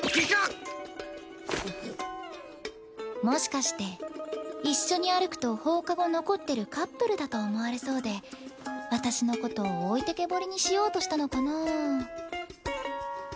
もしかして一緒に歩くと放課後残ってるカップルだと思われそうで私のこと置いてけぼりにしようとしたのかなぁ。